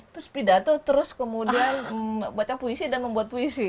terus pidato terus kemudian baca puisi dan membuat puisi